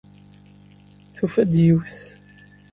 Tufa-d yiwet.